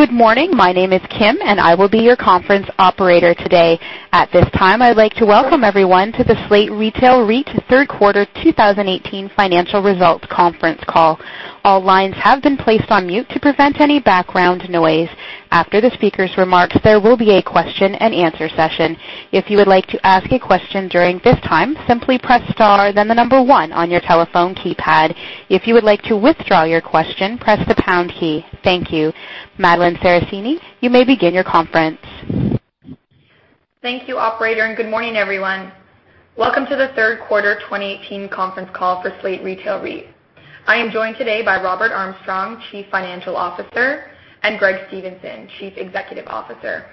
Good morning. My name is Kim, and I will be your conference operator today. At this time, I'd like to welcome everyone to the Slate Grocery REIT third quarter 2018 financial results conference call. All lines have been placed on mute to prevent any background noise. After the speaker's remarks, there will be a question and answer session. If you would like to ask a question during this time, simply press star then the number one on your telephone keypad. If you would like to withdraw your question, press the pound key. Thank you. Madeline Sarracini, you may begin your conference. Thank you, operator, and good morning, everyone. Welcome to the third quarter 2018 conference call for Slate Grocery REIT. I am joined today by Robert Armstrong, Chief Financial Officer, and Greg Stevenson, Chief Executive Officer.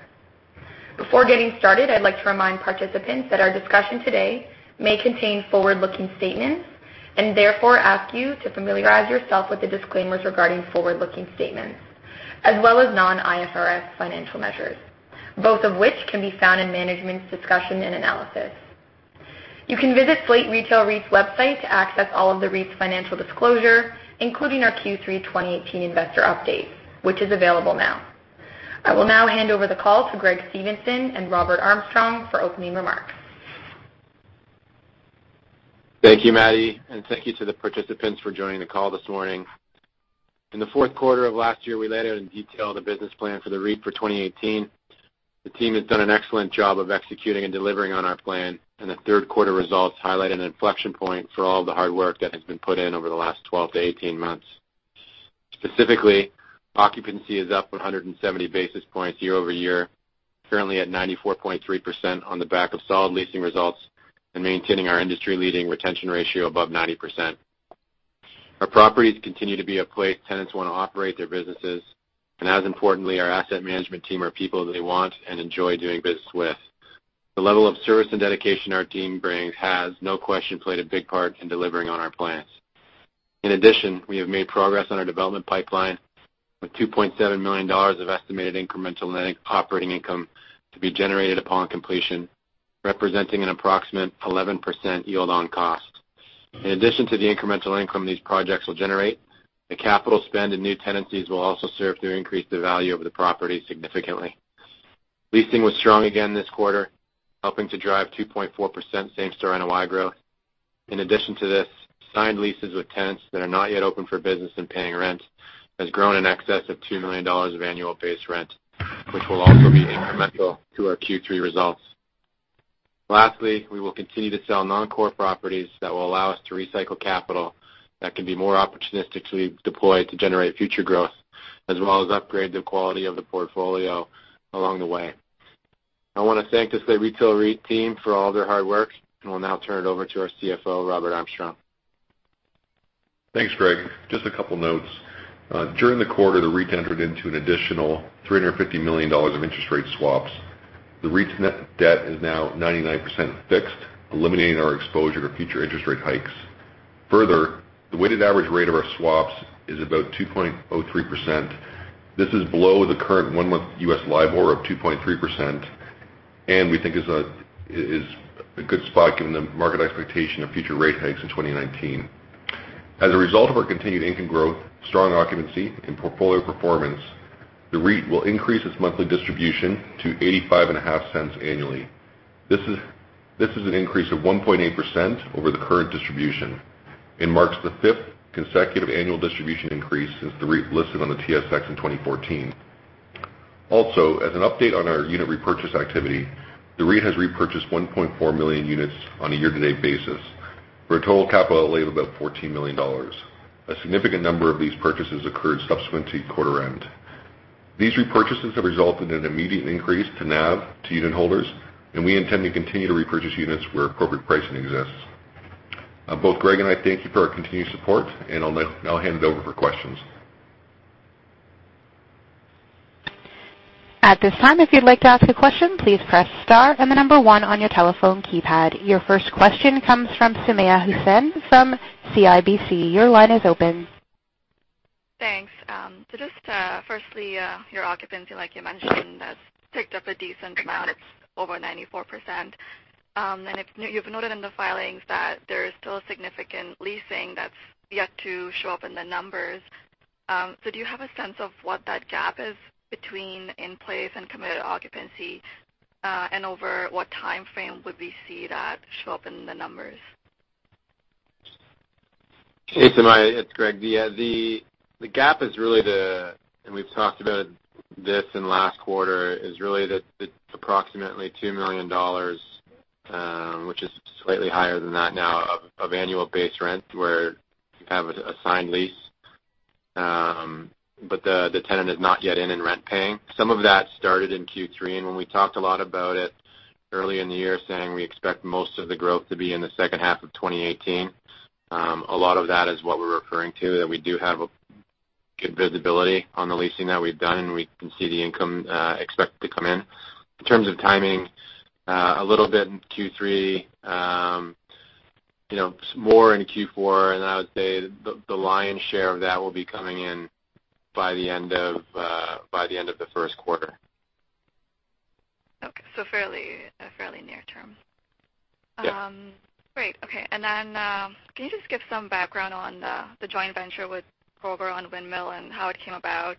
Before getting started, I'd like to remind participants that our discussion today may contain forward-looking statements, and therefore ask you to familiarize yourself with the disclaimers regarding forward-looking statements, as well as non-IFRS financial measures, both of which can be found in management's discussion and analysis. You can visit Slate Grocery REIT's website to access all of the REIT's financial disclosure, including our Q3 2018 investor update, which is available now. I will now hand over the call to Greg Stevenson and Robert Armstrong for opening remarks. Thank you, Maddy, and thank you to the participants for joining the call this morning. In the fourth quarter of last year, we laid out in detail the business plan for the REIT for 2018. The team has done an excellent job of executing and delivering on our plan, and the third quarter results highlight an inflection point for all the hard work that has been put in over the last 12 to 18 months. Specifically, occupancy is up 170 basis points year-over-year, currently at 94.3% on the back of solid leasing results and maintaining our industry-leading retention ratio above 90%. Our properties continue to be a place tenants want to operate their businesses, and as importantly, our asset management team are people they want and enjoy doing business with. The level of service and dedication our team brings has, no question, played a big part in delivering on our plans. In addition, we have made progress on our development pipeline with $2.7 million of estimated incremental net operating income to be generated upon completion, representing an approximate 11% yield on cost. In addition to the incremental income these projects will generate, the capital spend and new tenancies will also serve to increase the value of the property significantly. Leasing was strong again this quarter, helping to drive 2.4% same-store NOI growth. In addition to this, signed leases with tenants that are not yet open for business and paying rent has grown in excess of $2 million of annual base rent, which will also be incremental to our Q3 results. Lastly, we will continue to sell non-core properties that will allow us to recycle capital that can be more opportunistically deployed to generate future growth, as well as upgrade the quality of the portfolio along the way. I want to thank the Slate Grocery REIT team for all their hard work, and will now turn it over to its CFO, Robert Armstrong. Thanks, Greg. Just a couple notes. During the quarter, the REIT entered into an additional $350 million of interest rate swaps. The REIT's net debt is now 99% fixed, eliminating our exposure to future interest rate hikes. Further, the weighted average rate of our swaps is about 2.03%. This is below the current one-month US LIBOR of 2.3%, and we think is a good spot given the market expectation of future rate hikes in 2019. As a result of our continued income growth, strong occupancy, and portfolio performance, the REIT will increase its monthly distribution to $0.855 annually. This is an increase of 1.8% over the current distribution and marks the fifth consecutive annual distribution increase since the REIT listed on the TSX in 2014. Also, as an update on our unit repurchase activity, the REIT has repurchased 1.4 million units on a year-to-date basis for a total capital outlay of about $14 million. A significant number of these purchases occurred subsequent to quarter end. These repurchases have resulted in an immediate increase to NAV to unit holders, and we intend to continue to repurchase units where appropriate pricing exists. Both Greg and I thank you for our continued support, I'll hand it over for questions. At this time, if you'd like to ask a question, please press star and the number one on your telephone keypad. Your first question comes from Sumayya Hussain from CIBC. Your line is open. Thanks. Just firstly, your occupancy, like you mentioned, has ticked up a decent amount, over 94%. You've noted in the filings that there is still a significant leasing that's yet to show up in the numbers. Do you have a sense of what that gap is between in-place and committed occupancy, and over what timeframe would we see that show up in the numbers? Hey, Sumayya, it's Greg. We've talked about this in last quarter, is really the approximately $2 million, which is slightly higher than that now, of annual base rent, where you have a signed lease, but the tenant is not yet in and rent paying. Some of that started in Q3, when we talked a lot about it early in the year, saying we expect most of the growth to be in the second half of 2018. A lot of that is what we're referring to, that we do have a good visibility on the leasing that we've done, and we can see the income expect to come in. In terms of timing, a little bit in Q3, more in Q4, I would say the lion's share of that will be coming in by the end of the first quarter. Fairly near term. Yeah. Great. Okay. Can you just give some background on the joint venture with Kroger on Windmill Plaza and how it came about?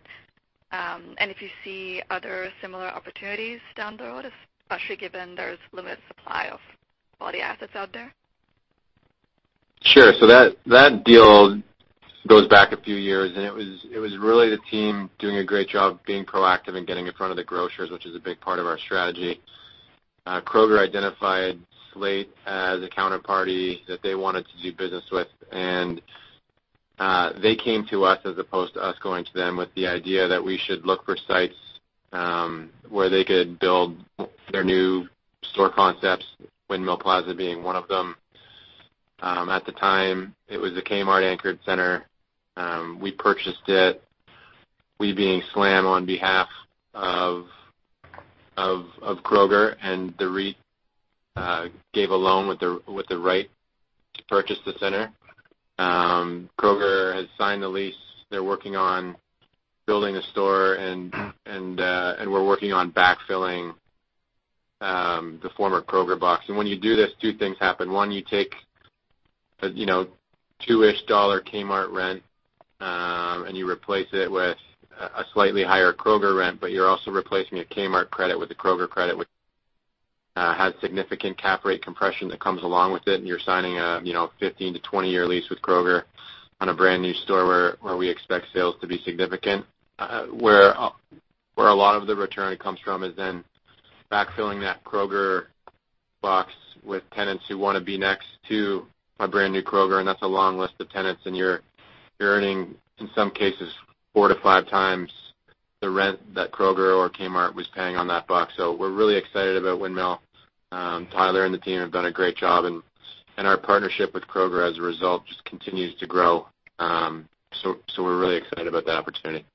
If you see other similar opportunities down the road, especially given there's limited supply of quality assets out there? That deal goes back a few years, it was really the team doing a great job being proactive and getting in front of the grocers, which is a big part of our strategy. Kroger identified Slate as a counterparty that they wanted to do business with, and they came to us as opposed to us going to them with the idea that we should look for sites where they could build their new store concepts, Windmill Plaza being one of them. At the time, it was a Kmart-anchored center. We purchased it, we being SLAM on behalf of Kroger, and the REIT gave a loan with the right to purchase the center. Kroger has signed the lease. They're working on building a store, and we're working on backfilling the former Kroger box. When you do this, two things happen. One, you take $2-ish Kmart rent, you replace it with a slightly higher Kroger rent, you're also replacing a Kmart credit with a Kroger credit, which has significant cap rate compression that comes along with it, you're signing a 15- to 20-year lease with Kroger on a brand-new store where we expect sales to be significant. Where a lot of the return comes from is then backfilling that Kroger box with tenants who want to be next to a brand-new Kroger, that's a long list of tenants, you're earning, in some cases, four to five times the rent that Kroger or Kmart was paying on that box. We're really excited about Windmill. Tyler and the team have done a great job, our partnership with Kroger as a result just continues to grow. We're really excited about that opportunity.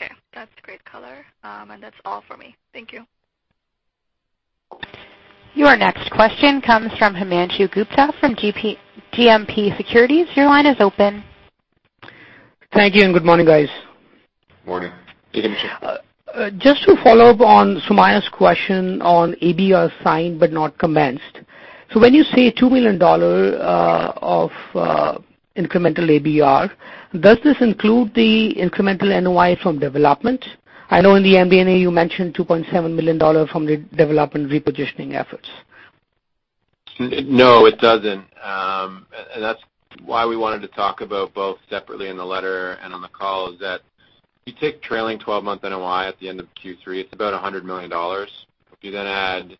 Okay. That's great color. That's all for me. Thank you. Your next question comes from Himanshu Gupta from GMP Securities. Your line is open. Thank you. Good morning, guys. Morning. Hey, Himanshu. Just to follow up on Sumayya's question on ABR signed but not commenced. When you say $2 million of incremental ABR, does this include the incremental NOI from development? I know in the MD&A you mentioned $2.7 million from the development repositioning efforts. No, it doesn't. That's why we wanted to talk about both separately in the letter and on the call, is that if you take trailing 12-month NOI at the end of Q3, it's about $100 million. If you add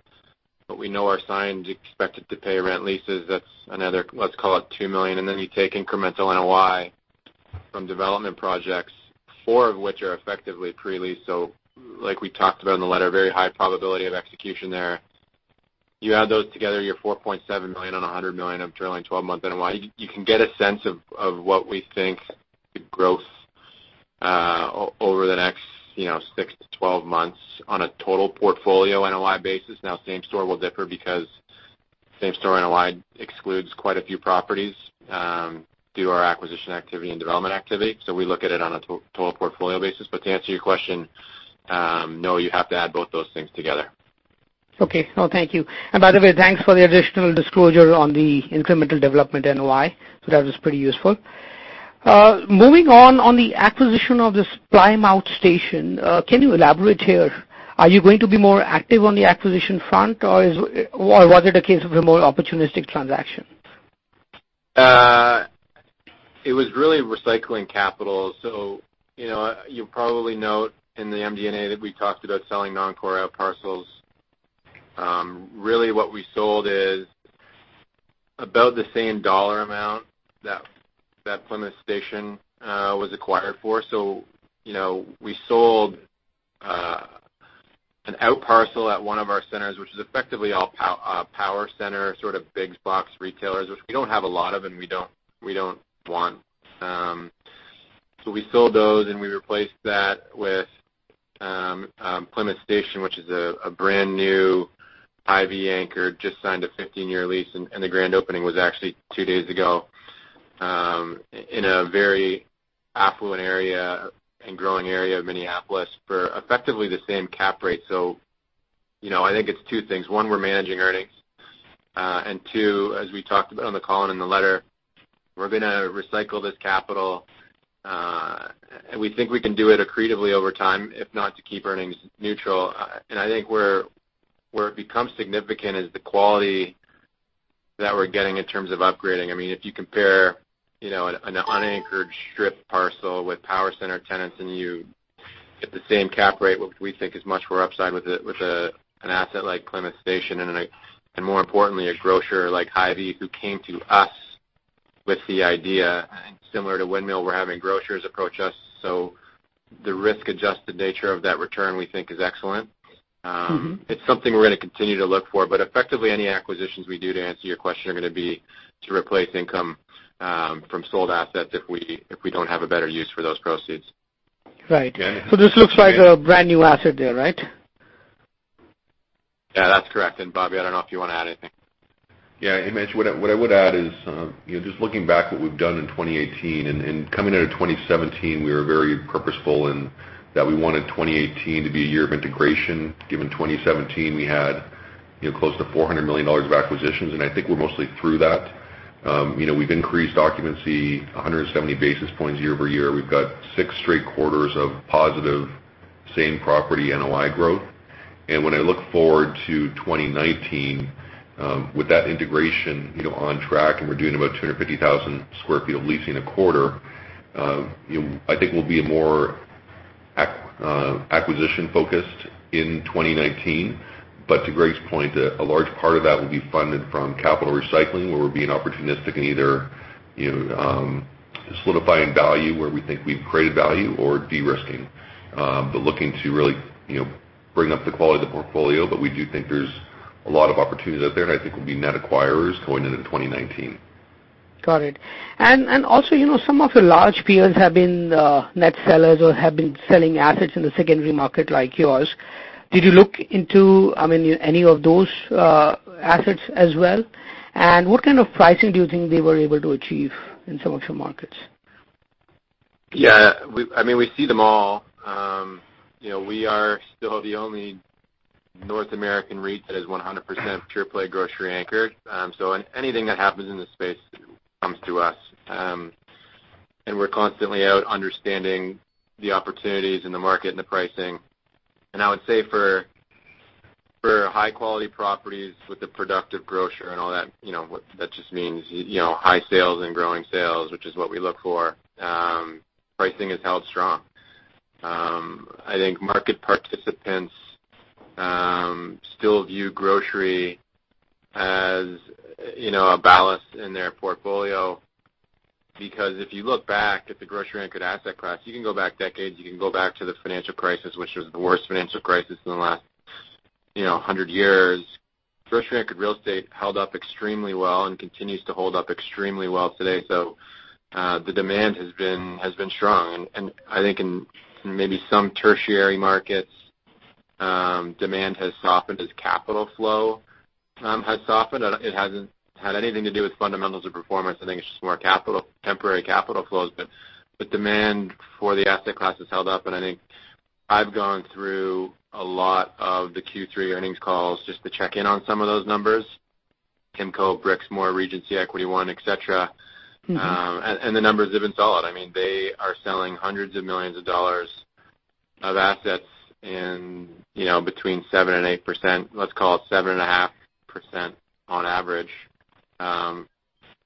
what we know are signed, expected-to-pay-rent leases, that's another, let's call it, $2 million. You take incremental NOI from development projects, four of which are effectively pre-leased, like we talked about in the letter, very high probability of execution there. You add those together, you're $4.7 million on $100 million of trailing 12-month NOI. You can get a sense of what we think the growth over the next six to 12 months on a total portfolio NOI basis. Same-store will differ because same-store NOI excludes quite a few properties through our acquisition activity and development activity. We look at it on a total portfolio basis. To answer your question, no, you have to add both those things together. Okay. Well, thank you. By the way, thanks for the additional disclosure on the incremental development NOI. That was pretty useful. Moving on the acquisition of this Plymouth Station, can you elaborate here? Are you going to be more active on the acquisition front, or was it a case of a more opportunistic transaction? It was really recycling capital. You probably note in the MD&A that we talked about selling non-core outparcels. Really what we sold is about the same dollar amount that Plymouth Station was acquired for. We sold an outparcel at one of our centers, which is effectively all power center, sort of big box retailers, which we don't have a lot of, and we don't want. We sold those, and we replaced that with Plymouth Station, which is a brand-new Hy-Vee anchor, just signed a 15-year lease, and the grand opening was actually two days ago, in a very affluent area and growing area of Minneapolis for effectively the same cap rate. I think it's two things. One, we're managing earnings. Two, as we talked about on the call and in the letter, we're going to recycle this capital. We think we can do it accretively over time, if not to keep earnings neutral. I think where it becomes significant is the quality that we're getting in terms of upgrading. If you compare an unanchored strip parcel with power center tenants and you get the same cap rate, what we think is much more upside with an asset like Plymouth Station, and more importantly, a grocer like Hy-Vee, who came to us with the idea. Similar to Windmill, we're having grocers approach us. The risk-adjusted nature of that return we think is excellent. It's something we're going to continue to look for. Effectively, any acquisitions we do, to answer your question, are going to be to replace income from sold assets if we don't have a better use for those proceeds. Right. This looks like a brand-new asset there, right? Yeah, that's correct. Bobby, I don't know if you want to add anything. Yeah, Himanshu, what I would add is, just looking back what we've done in 2018 and coming out of 2017, we were very purposeful in that we wanted 2018 to be a year of integration. Given 2017, we had close to $400 million of acquisitions, and I think we're mostly through that. We've increased occupancy 170 basis points year-over-year. We've got six straight quarters of positive same property NOI growth. When I look forward to 2019, with that integration on track, and we're doing about 250,000 sq ft of leasing a quarter, I think we'll be more acquisition-focused in 2019. To Greg's point, a large part of that will be funded from capital recycling, where we're being opportunistic in either solidifying value where we think we've created value or de-risking. Looking to really bring up the quality of the portfolio, but we do think there's a lot of opportunities out there, and I think we'll be net acquirers going into 2019. Got it. Also, some of your large peers have been net sellers or have been selling assets in the secondary market like yours. Did you look into any of those assets as well? What kind of pricing do you think they were able to achieve in some of your markets? Yeah. We see them all. We are still the only North American REIT that is 100% pure play grocery-anchored. Anything that happens in this space comes to us. We're constantly out understanding the opportunities in the market and the pricing. I would say for high-quality properties with a productive grocer and all that just means high sales and growing sales, which is what we look for. Pricing has held strong. I think market participants still view grocery as a ballast in their portfolio, because if you look back at the grocery-anchored asset class, you can go back decades. You can go back to the financial crisis, which was the worst financial crisis in the last 100 years. Grocery-anchored real estate held up extremely well and continues to hold up extremely well today. The demand has been strong. I think in maybe some tertiary markets, demand has softened as capital flow has softened. It hasn't had anything to do with fundamentals or performance. I think it's just more temporary capital flows. Demand for the asset class has held up. I think I've gone through a lot of the Q3 earnings calls just to check in on some of those numbers, Kimco, Brixmor, Regency, Equity One, et cetera. The numbers have been solid. They are selling hundreds of millions of dollars of assets in between 7% and 8%, let's call it 7.5% on average,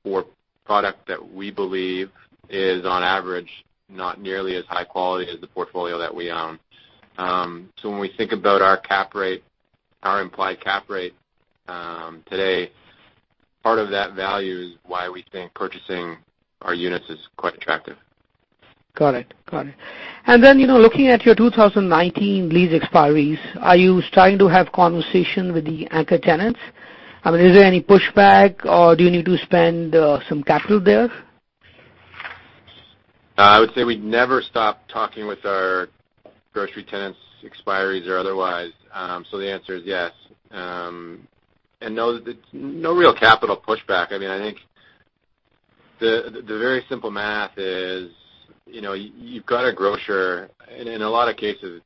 for product that we believe is, on average, not nearly as high quality as the portfolio that we own. When we think about our implied cap rate today, part of that value is why we think purchasing our units is quite attractive. Got it. Looking at your 2019 lease expiries, are you starting to have conversation with the anchor tenants? Is there any pushback, or do you need to spend some capital there? I would say we never stop talking with our grocery tenants, expiries or otherwise. The answer is yes. No real capital pushback. I think the very simple math is you've got a grocer in a lot of cases,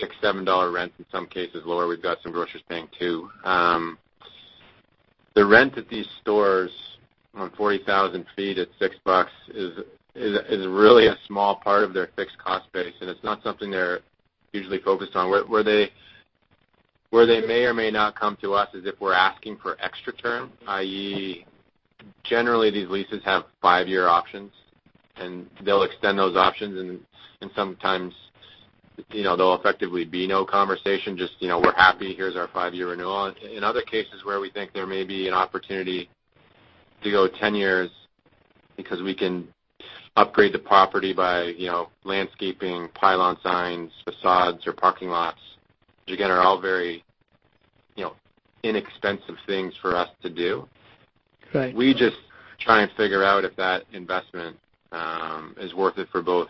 $6, $7 rent, in some cases lower. We've got some grocers paying $2. The rent at these stores on 40,000 feet at $6 is really a small part of their fixed cost base, and it's not something they're usually focused on. Where they may or may not come to us is if we're asking for extra term, i.e., generally these leases have five-year options, and they'll extend those options, and sometimes there'll effectively be no conversation, just, "We're happy. Here's our five-year renewal." In other cases where we think there may be an opportunity to go 10 years because we can upgrade the property by landscaping, pylon signs, facades, or parking lots, which again, are all very inexpensive things for us to do. Right. We just try and figure out if that investment is worth it for both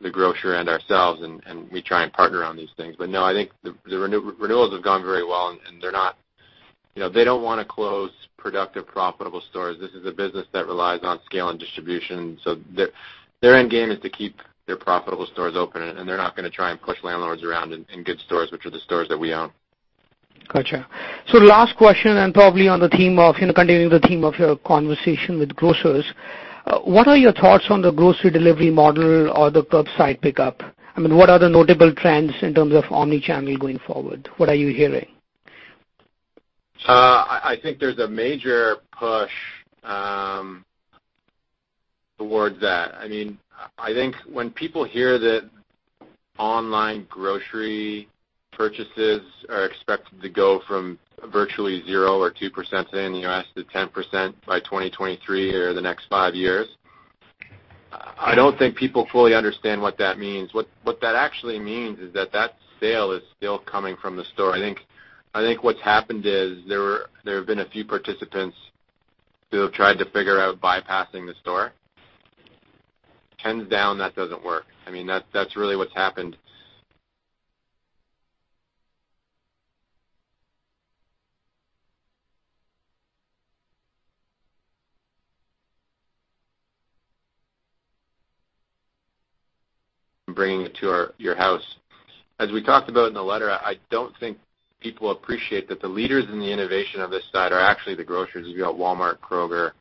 the grocer and ourselves, and we try and partner on these things. No, I think the renewals have gone very well, and they don't want to close productive, profitable stores. This is a business that relies on scale and distribution. Their end game is to keep their profitable stores open, and they're not going to try and push landlords around in good stores, which are the stores that we own. Got you. Last question, and probably continuing the theme of your conversation with grocers, what are your thoughts on the grocery delivery model or the curbside pickup? What are the notable trends in terms of omni-channel going forward? What are you hearing? I think there's a major push towards that. I think when people hear that online grocery purchases are expected to go from virtually 0% or 2% today in the U.S. to 10% by 2023 or the next 5 years, I don't think people fully understand what that means. What that actually means is that that sale is still coming from the store. I think what's happened is there have been a few participants who have tried to figure out bypassing the store. Hands down, that doesn't work. That's really what's happened. Bringing it to your house. As we talked about in the letter, I don't think people appreciate that the leaders in the innovation of this side are actually the grocers. You've got Walmart, Kroger,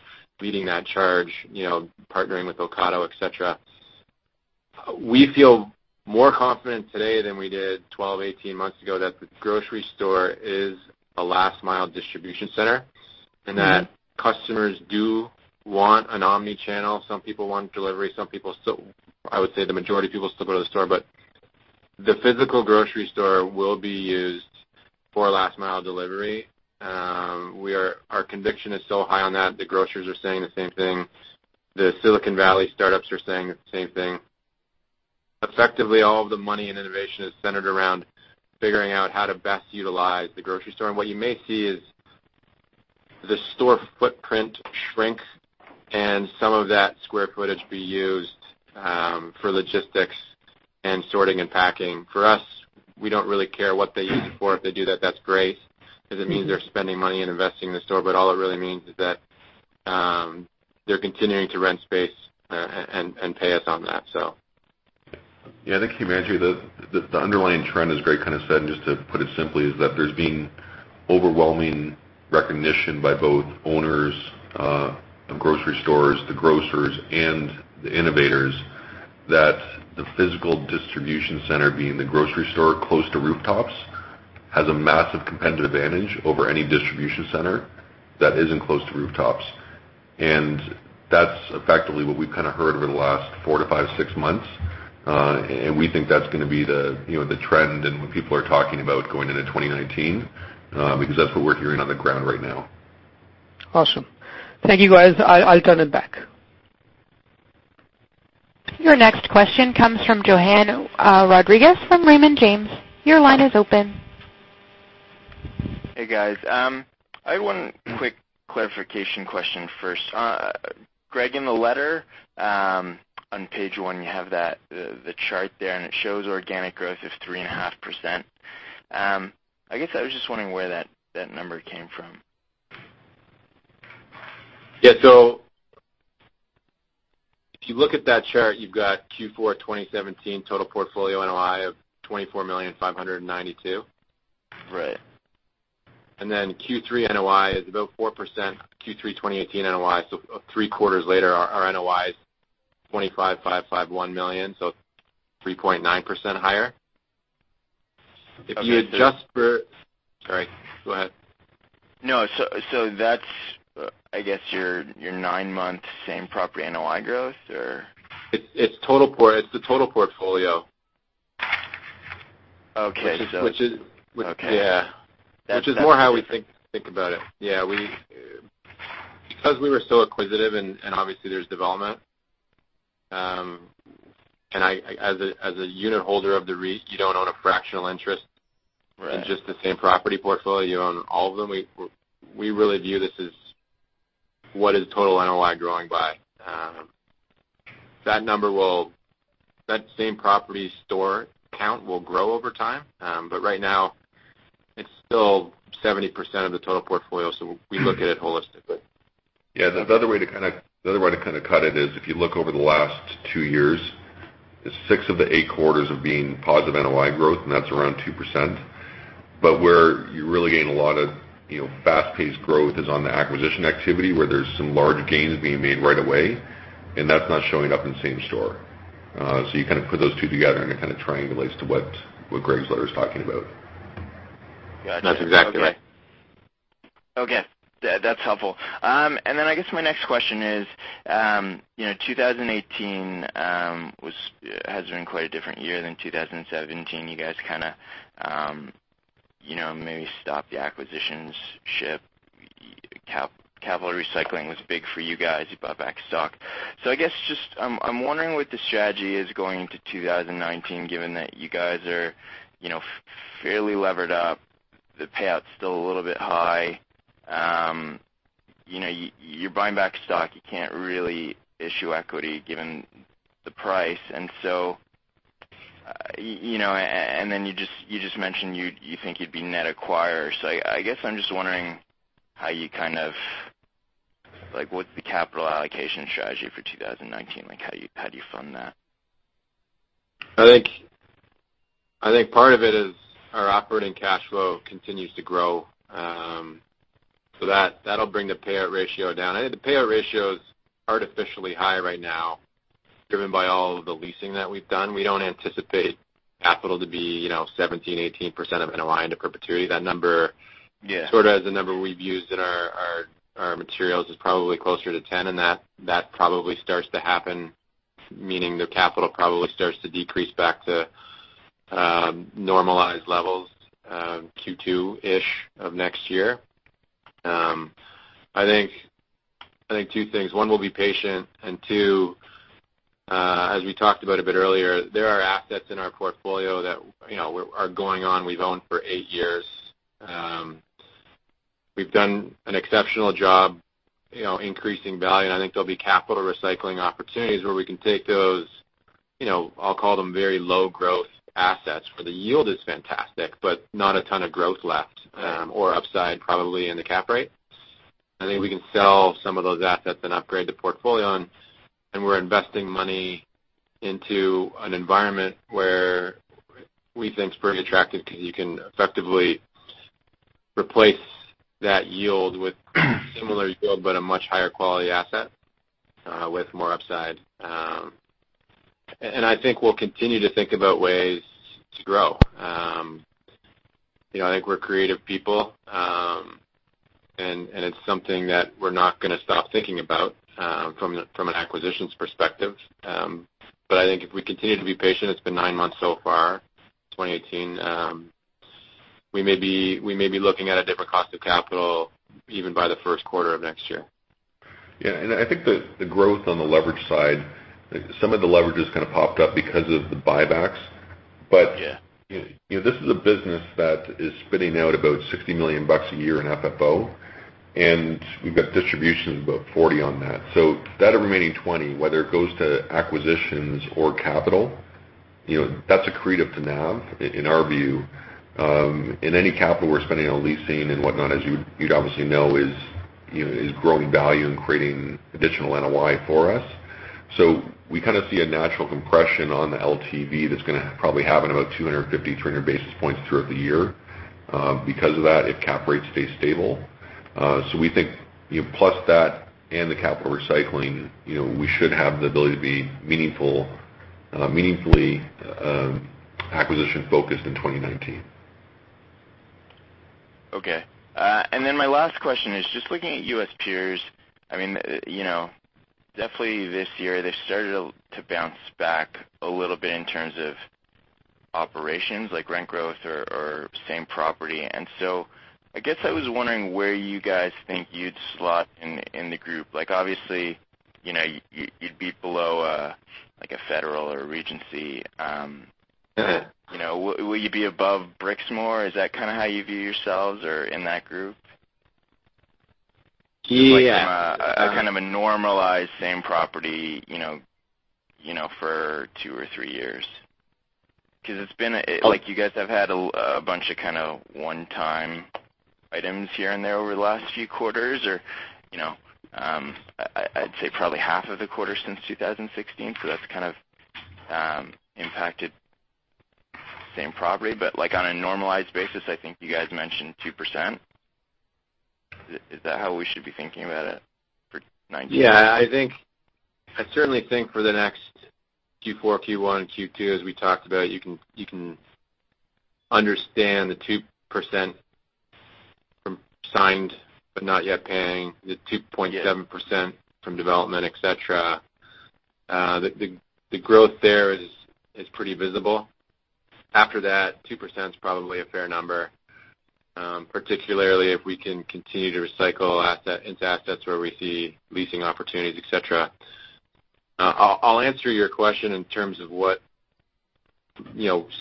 leading that charge, partnering with Ocado, et cetera. We feel more confident today than we did 12, 18 months ago that the grocery store is a last mile distribution center, and that customers do want an omni-channel. Some people want delivery. I would say the majority of people still go to the store. The physical grocery store will be used for last mile delivery. Our conviction is so high on that. The grocers are saying the same thing. The Silicon Valley startups are saying the same thing. Effectively, all of the money and innovation is centered around figuring out how to best utilize the grocery store. What you may see is the store footprint shrink and some of that square footage be used for logistics and sorting and packing. For us, we don't really care what they use it for. If they do that's great, because it means they're spending money and investing in the store, but all it really means is that they're continuing to rent space and pay us on that. Yeah, I think, Himanshu, the underlying trend, as Greg kind of said, and just to put it simply, is that there's been overwhelming recognition by both owners of grocery stores, the grocers, and the innovators, that the physical distribution center, being the grocery store close to rooftops, has a massive competitive advantage over any distribution center that isn't close to rooftops. That's effectively what we've kind of heard over the last four to five, six months. We think that's going to be the trend and what people are talking about going into 2019, because that's what we're hearing on the ground right now. Awesome. Thank you, guys. I'll turn it back. Your next question comes from Johann Rodrigues from Raymond James. Your line is open. Hey, guys. I have one quick clarification question first. Greg, in the letter, on page one, you have the chart there, and it shows organic growth of 3.5%. I guess I was just wondering where that number came from. Yeah. If you look at that chart, you've got Q4 2017 total portfolio NOI of $24,592,000. Right. Q3 NOI is about 4%, Q3 2018 NOI. three quarters later, our NOI is $25,551,000, 3.9% higher. Sorry, go ahead. No. That's, I guess, your nine months same property NOI growth, or? It's the total portfolio. Okay. Which is. Okay. Yeah. That's different. Which is more how we think about it. Yeah. Because we were so acquisitive, and obviously there's development. As a unit holder of the REIT, you don't own a fractional interest. Right in just the same property portfolio. You own all of them. We really view this as what is total NOI growing by. That same property store count will grow over time. Right now, it's still 70% of the total portfolio, so we look at it holistically. Yeah. The other way to kind of cut it is if you look over the last two years, six of the eight quarters have been positive NOI growth, and that's around 2%. Where you really gain a lot of fast-paced growth is on the acquisition activity, where there's some large gains being made right away, and that's not showing up in same store. You kind of put those two together, and it kind of triangulates to what Greg's letter is talking about. Gotcha. That's exactly right. Okay. That's helpful. I guess my next question is, 2018 has been quite a different year than 2017. You guys kind of maybe stopped the acquisitions ship. Capital recycling was big for you guys. You bought back stock. I guess just, I'm wondering what the strategy is going into 2019, given that you guys are fairly levered up. The payout's still a little bit high. You're buying back stock. You can't really issue equity given the price, and then you just mentioned you think you'd be net acquirers. I guess I'm just wondering, what's the capital allocation strategy for 2019? How do you fund that? I think part of it is our operating cash flow continues to grow. That'll bring the payout ratio down. I think the payout ratio is artificially high right now, driven by all of the leasing that we've done. We don't anticipate capital to be 17%, 18% of NOI into perpetuity. Yeah That number, sort of as the number we've used in our materials, is probably closer to 10. That probably starts to happen, meaning the capital probably starts to decrease back to normalized levels Q2-ish of next year. I think two things. One, we'll be patient. Two, as we talked about a bit earlier, there are assets in our portfolio that are going on. We've owned for eight years. We've done an exceptional job increasing value. I think there'll be capital recycling opportunities where we can take those, I'll call them very low growth assets, where the yield is fantastic, but not a ton of growth left, or upside probably in the cap rate. I think we can sell some of those assets and upgrade the portfolio. We're investing money into an environment where we think it's pretty attractive because you can effectively replace that yield with similar yield, but a much higher quality asset with more upside. I think we'll continue to think about ways to grow. I think we're creative people. It's something that we're not going to stop thinking about from an acquisitions perspective. I think if we continue to be patient, it's been nine months so far, 2018, we may be looking at a different cost of capital even by the first quarter of next year. Yeah. I think the growth on the leverage side, some of the leverage has kind of popped up because of the buybacks. Yeah. This is a business that is spitting out about $60 million a year in FFO, and we've got distributions about $40 million on that. That remaining $20 million, whether it goes to acquisitions or capital, that's accretive to NAV, in our view. Any capital we're spending on leasing and whatnot, as you'd obviously know, is growing value and creating additional NOI for us. We kind of see a natural compression on the LTV that's going to probably happen about 250-300 basis points throughout the year. Because of that, if cap rates stay stable. We think, plus that and the capital recycling, we should have the ability to be meaningfully acquisition-focused in 2019. My last question is just looking at U.S. peers, definitely this year they've started to bounce back a little bit in terms of operations like rent growth or same property. I guess I was wondering where you guys think you'd slot in the group. Obviously, you'd be below like a Federal or Regency. Yeah. Will you be above Brixmor? Is that kind of how you view yourselves or in that group? Yeah. From a kind of a normalized same property, for two or three years. It's been like you guys have had a bunch of kind of one-time items here and there over the last few quarters or, I'd say probably half of the quarter since 2016. That's kind of impacted same property, but like on a normalized basis, I think you guys mentioned 2%. Is that how we should be thinking about it for 2019? Yeah, I certainly think for the next Q4, Q1, Q2, as we talked about, you can understand the 2% from signed but not yet paying, the 2.7% from development, et cetera. The growth there is pretty visible. After that, 2% is probably a fair number, particularly if we can continue to recycle into assets where we see leasing opportunities, et cetera. I'll answer your question in terms of what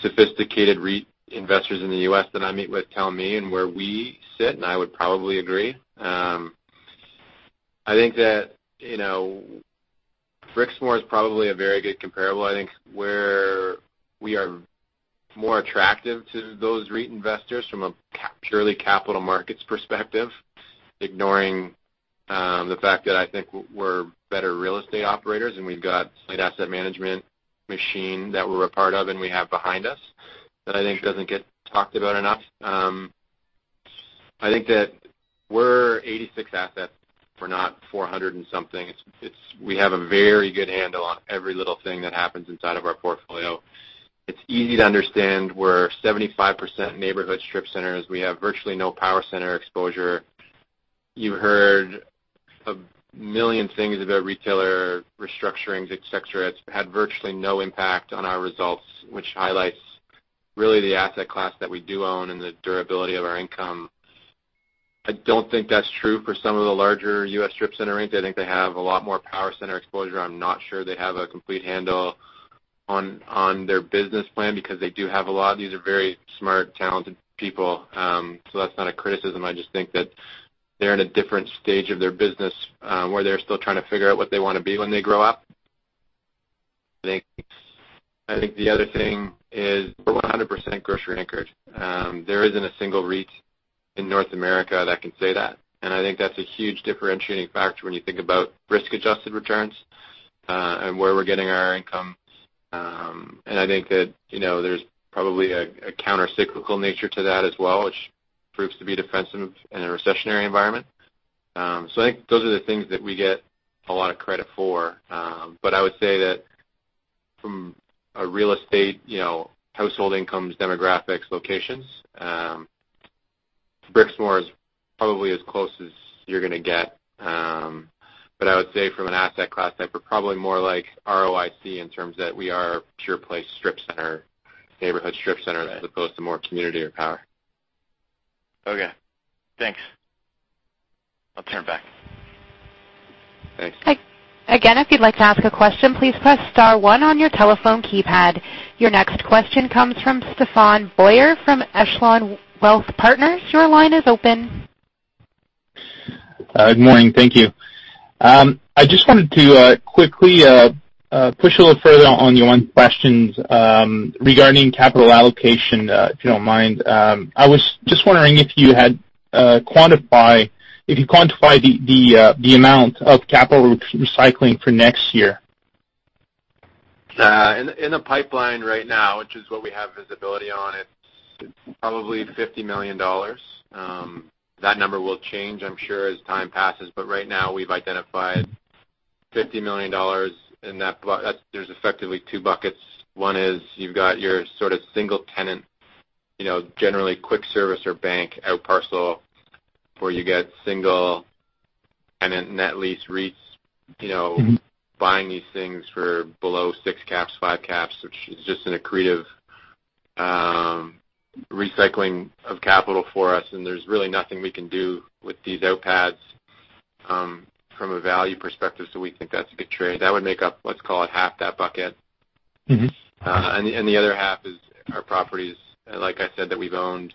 sophisticated REIT investors in the U.S. that I meet with tell me and where we sit, and I would probably agree. I think that Brixmor is probably a very good comparable. I think where we are more attractive to those REIT investors from a purely capital markets perspective, ignoring the fact that I think we're better real estate operators, and we've got asset management machine that we're a part of and we have behind us, that I think doesn't get talked about enough. I think that we're 86 assets. We're not 400 and something. We have a very good handle on every little thing that happens inside of our portfolio. It's easy to understand. We're 75% neighborhood strip centers. We have virtually no power center exposure. You heard a million things about retailer restructurings, et cetera. It's had virtually no impact on our results, which highlights really the asset class that we do own and the durability of our income. I don't think that's true for some of the larger U.S. strip center REITs. I think they have a lot more power center exposure. I'm not sure they have a complete handle on their business plan because they do have a lot. These are very smart, talented people. That's not a criticism. I just think that they're in a different stage of their business, where they're still trying to figure out what they want to be when they grow up. I think the other thing is we're 100% grocery-anchored. There isn't a single REIT in North America that can say that. I think that's a huge differentiating factor when you think about risk-adjusted returns, and where we're getting our income. I think that there's probably a counter-cyclical nature to that as well, which proves to be defensive in a recessionary environment. I think those are the things that we get a lot of credit for. I would say that from a real estate, household incomes, demographics, locations, Brixmor is probably as close as you're going to get. I would say from an asset class type, we're probably more like ROIC in terms that we are a pure play strip center, neighborhood strip center, as opposed to more community or power. Okay. Thanks. I'll turn it back. Thanks. If you'd like to ask a question, please press star one on your telephone keypad. Your next question comes from Stefan Boyer from Echelon Wealth Partners. Your line is open. Good morning. Thank you. I just wanted to quickly push a little further on your own questions regarding capital allocation, if you don't mind. I was just wondering if you quantify the amount of capital recycling for next year. In the pipeline right now, which is what we have visibility on, it's probably $50 million. That number will change, I'm sure, as time passes. Right now, we've identified $50 million in that. There's effectively 2 buckets. One is you've got your sort of single tenant, generally quick service or bank outparcel where you get single and then net lease REITs buying these things for below six caps, five caps, which is just an accretive recycling of capital for us. There's really nothing we can do with these outpads from a value perspective. We think that's a good trade. That would make up, let's call it, half that bucket. The other half is our properties, like I said, that we've owned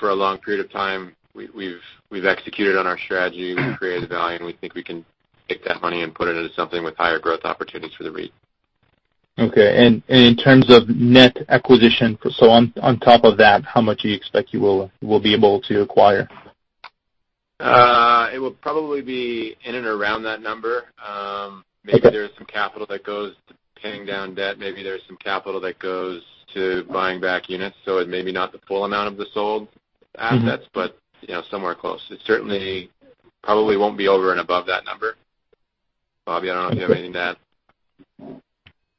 for a long period of time. We've executed on our strategy. We've created value, and we think we can take that money and put it into something with higher growth opportunities for the REIT. Okay. In terms of net acquisition, so on top of that, how much do you expect you will be able to acquire? It will probably be in and around that number. Maybe there's some capital that goes to paying down debt. Maybe there's some capital that goes to buying back units, so it may be not the full amount of the sold assets. Somewhere close. It certainly probably won't be over and above that number. Bobby, I don't know if you have anything to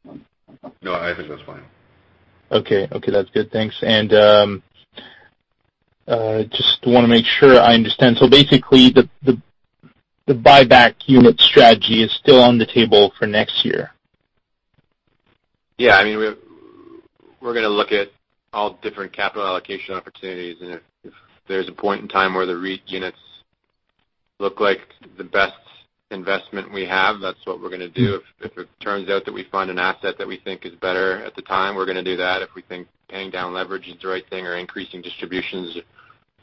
add. No, I think that's fine. Okay. That's good. Thanks. Just want to make sure I understand. Basically, the buyback unit strategy is still on the table for next year? Yeah. We're going to look at all different capital allocation opportunities, and if there's a point in time where the REIT units look like the best investment we have, that's what we're going to do. If it turns out that we find an asset that we think is better at the time, we're going to do that. If we think paying down leverage is the right thing or increasing distributions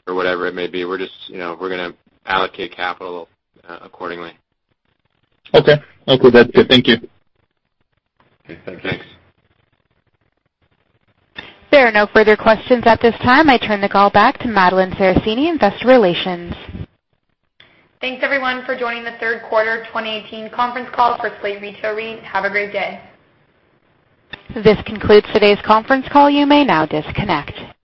or whatever it may be, we're going to allocate capital accordingly. Okay. That's good. Thank you. Okay. Thanks. Thanks. There are no further questions at this time. I turn the call back to Madeline Sarracini, Investor Relations. Thanks, everyone, for joining the third quarter 2018 conference call for Slate Grocery REIT. Have a great day. This concludes today's conference call. You may now disconnect.